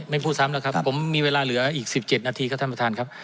พูดซ้ำแล้วครับผมมีเวลาเหลืออีก๑๗นาทีครับท่านประธานครับ